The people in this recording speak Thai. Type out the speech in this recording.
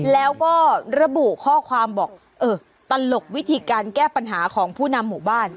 แล้วก็ระบุข้อความบอกเออตลกวิธีการแก้ปัญหาของผู้นำหมู่บ้าน